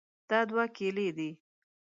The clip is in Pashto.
دا دوه کیلې دي.